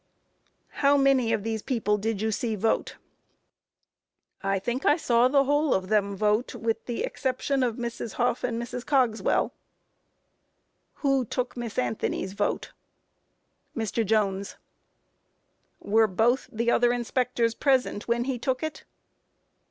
Q. How many of these people did you see vote? A. I think I saw the whole of them vote, with the exception of Mrs. Hough and Mrs. Cogswell. Q. Who took Miss Anthony's vote? A. Mr. Jones. Q. Were both the other inspectors present when he took it?